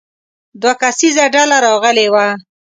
دوه کسیزه ډله راغلې وه.